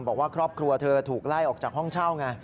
บอกว่าครอบครัวเธอถูกไล่ออกจากห้องเช่าไง